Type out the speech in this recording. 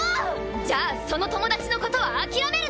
じゃあその友達のことは諦めるの？